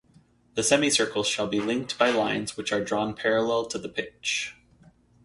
The semi-circles shall be linked by lines which are drawn parallel to the pitch.